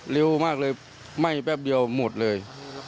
เร็วมากเลยไหม้แป๊บเดียวหมดเลย